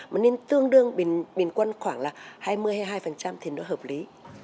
mà nên tương đương bình quân khoảng là hai mươi hai mươi hai thì nó hợp lý